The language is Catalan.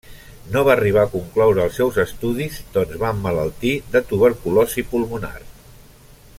No va arribar a concloure els seus estudis doncs va emmalaltir de tuberculosi pulmonar.